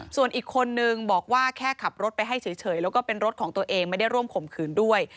ส่วนอีกคนนึงบอกว่าแค่ขับรถไปให้เฉยแล้วก็เป็นรถของตัวเองไม่ได้ร่วมข่มขืนด้วย